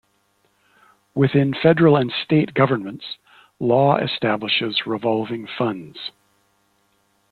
Within federal and state governments, law establishes revolving funds.